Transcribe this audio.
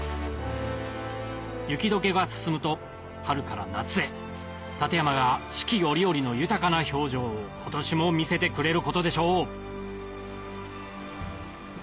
雪解けが進むと春から夏へ立山が四季折々の豊かな表情を今年も見せてくれることでしょう